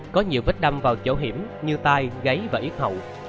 có nhiều vết đâm vào chỗ hiểm như tai gáy và yếp hậu